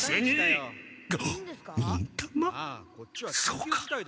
そうか！